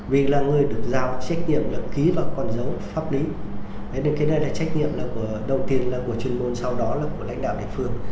vì là người được giao trách nhiệm là ký vào con dấu pháp lý thì cái này là trách nhiệm đầu tiên là của chuyên môn sau đó là của lãnh đạo địa phương